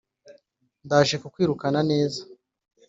ndaje kukwirukana neza